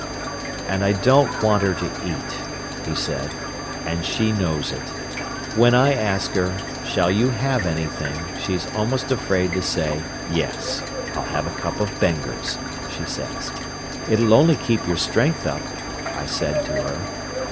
"And I don't want her to eat," he said, "and she knows it. When I ask her: 'Shall you have anything' she's almost afraid to say 'Yes.' 'I'll have a cup of Benger's,' she says. 'It'll only keep your strength up,' I said to her.